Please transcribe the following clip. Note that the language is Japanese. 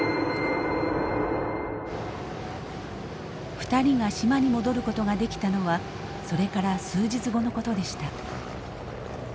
２人が島に戻ることができたのはそれから数日後のことでした。